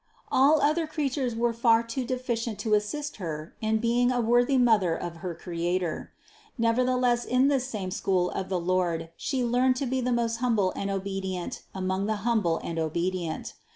All other creatures were far too deficient to assist Her in being a worthy Mother of her Creator. Nevertheless in this same school of the Lord She learned to be the most humble and obedient among the humble and obedient.